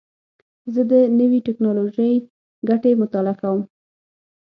زه د نوې ټکنالوژۍ ګټې مطالعه کوم.